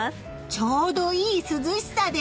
ちょうどいい涼しさです！